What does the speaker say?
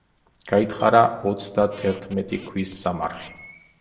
გაითხარა ოცდათერთმეტი ქვის სამარხი.